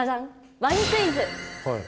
ワニクイズ。